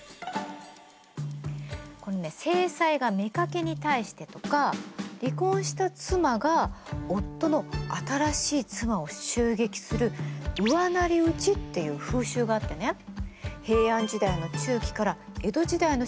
このね正妻が妾に対してとか離婚した妻が夫の新しい妻を襲撃する後妻打ちっていう風習があってね平安時代の中期から江戸時代の初期にかけて行われてたの。